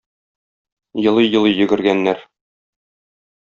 Елый-елый йөгергәннәр.